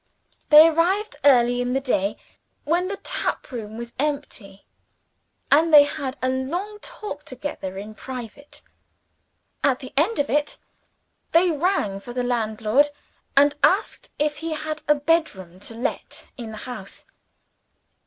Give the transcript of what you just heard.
They arrived early in the day, when the tap room was empty; and they had a long talk together in private. At the end of it, they rang for the landlord, and asked if he had a bed room to let in the house.